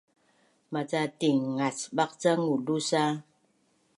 Maca tinngacbaq ca ngulus a